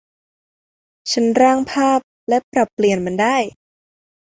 ฉันร่างภาพและปรับเปลี่ยนมันได้